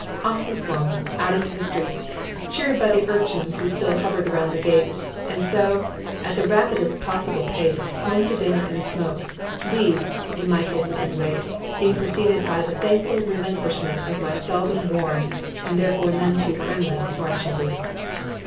Off we swung, out into the streets cheered by the urchins who still hovered round the gate and so, at the rapidest possible pace, home to dinner and a smoke: these (in my case at any rate) being preceded by the thankful relinquishment of my seldom worn and therefore none too friendly marching boots.